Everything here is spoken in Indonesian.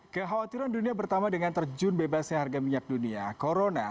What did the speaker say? kekhawatiran dunia bertambah dengan terjun bebasnya harga minyak dunia corona